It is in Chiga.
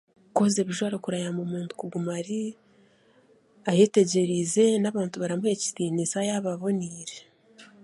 Kwoza ebijwaro kurayamba omuntu kuguma ari ayetegyereize n'abantu baramuha ekitiinisa yaaba aboneire